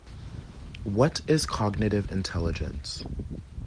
What is cognitive intelligence?